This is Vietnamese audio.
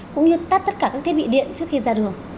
cũng như tắt tất cả các thiết bị điện trước khi ra đường